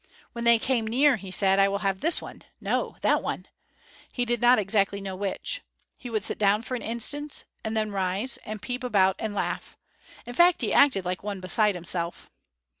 When they came near, he said, "I will have this one. No, that one"; he did not exactly know which; he would sit down for an instant, and then rise, and peep about and laugh; in fact he acted like one beside himself.